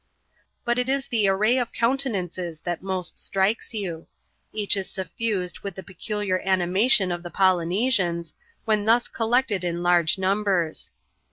But it is the array of countenances that most strikes you. Each is suffused with the pecular animation of the Polynesians, when thus collected in large numbers.